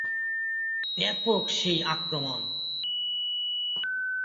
ব্যাপক সেই আক্রমণ।